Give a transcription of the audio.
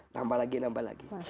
tambah lagi tambah lagi